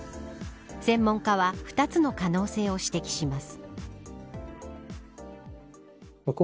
専門家は２つの可能性を指摘します。